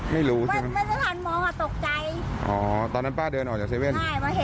เอาตอนนั้นป่าเดินออกจากเซเว่น